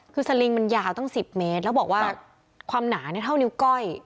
คือสลิงมันยาวตั้ง๑๐เมตรแล้วบอกว่าความหนาเนี่ยเท่านิ้วก้อย